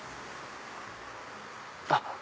あっ！